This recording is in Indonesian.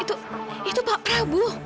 itu itu pak prabu